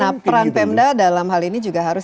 nah peran pemda dalam hal ini juga harus